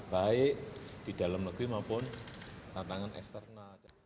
baik di dalam negeri maupun tantangan eksternal